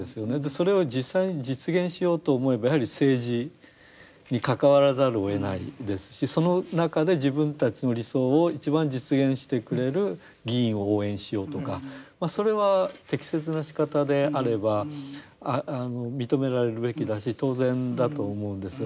それを実際に実現しようと思えばやはり政治に関わらざるをえないですしその中で自分たちの理想を一番実現してくれる議員を応援しようとかまあそれは適切なしかたであれば認められるべきだし当然だと思うんです。